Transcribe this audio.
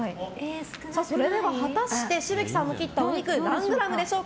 それでは果たして紫吹さんの切ったお肉何グラムでしょうか。